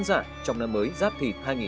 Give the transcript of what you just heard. mới giáp thịt hai nghìn hai mươi bốn